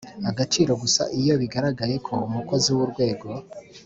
agaciro gusa iyo bigaragaye ko umukozi w urwego